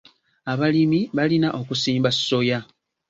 Abalimi balina okusimba soya.